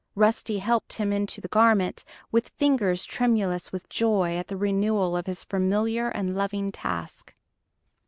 Rusty helped him into the garment, with fingers tremulous with joy at the renewal of this familiar and loving task.